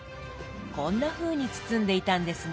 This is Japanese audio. こんなふうに包んでいたんですね。